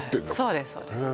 そうですそうです